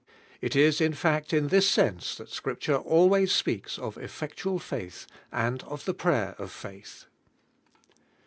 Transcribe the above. It is, in fact, in tins sense that Scripture al ways speaks of effectual faith and of the prayer of faith.